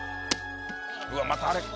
うわまたあれ。